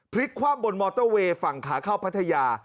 พลิกคว่ำบนมอเตอร์เวย์ฝั่งขาเข้าพัทยา